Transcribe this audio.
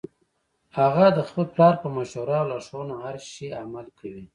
هغه د خپل پلار په مشوره او لارښوونه هر شي عمل کوي